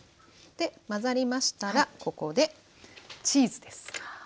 で混ざりましたらここでチーズです。